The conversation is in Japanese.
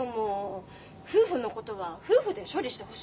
夫婦のことは夫婦で処理してほしいよ。